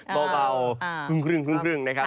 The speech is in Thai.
เบานะครับ